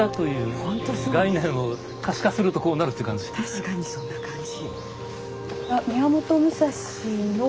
確かにそんな感じ。